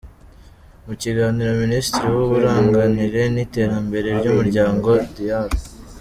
Mu kiganiro Minisitiri w’Uburanganire n’Iterambere ry’Umuryango, Dr.